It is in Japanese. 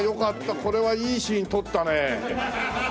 これはいいシーン撮ったね。